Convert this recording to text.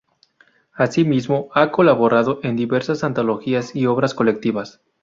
Así mismo ha colaborado en diversas antologías y obras colectivas.